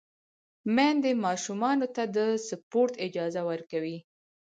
میندې ماشومانو ته د سپورت اجازه ورکوي۔